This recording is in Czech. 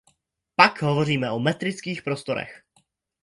Pak hovoříme o metrických prostorech.